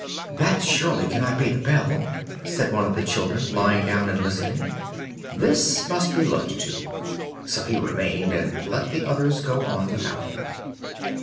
"That surely cannot be the bell," said one of the children, lying down and listening. "This must be looked to." So he remained, and let the others go on without him.